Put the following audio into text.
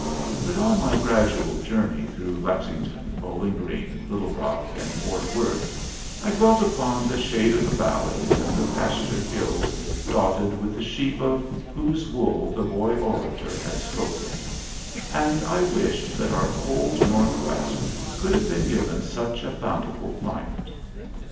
But on my gradual journey through Lexington, Bowling Green, Little Rock, and Forth Worth I dwelt upon the shade of the valleys, and the pasture hills dotted with the sheep of whose wool the Boy Orator had spoken; and I wished that our cold Northwest could have been given such a bountiful climate.